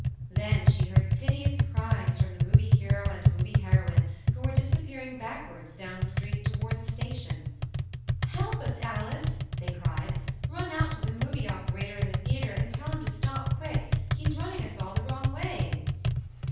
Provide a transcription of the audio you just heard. Then she heard piteous cries from the Movie Hero and the Movie Heroine who were disappearing backwards down the str<vt toward the station. "Help us, Alice." they cried. "Run out to the movie operator in the theater and tell him to stop, quick. He's running us all the wrong way